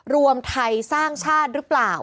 รวมไทยสร้างชาติหรือเปล่า